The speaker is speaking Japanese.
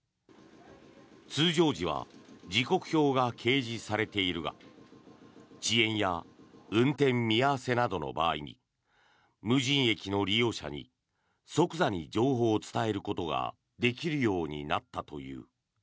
通常時は時刻表が掲示されているが遅延や運転見合わせなどの場合に無人駅の利用者に即座に情報を伝えることができるようになったという。